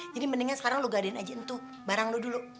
jadi mendingan sekarang lo gadein aja itu barang lo dulu